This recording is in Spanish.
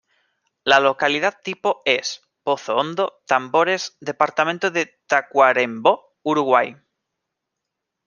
La localidad tipo es: Pozo Hondo, Tambores, Departamento de Tacuarembó, Uruguay.